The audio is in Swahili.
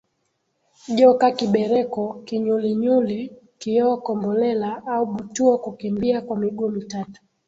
Joka Kibereko Kinyulinyuli Kioo Kombolela au butuo Kukimbia kwa miguu mitatu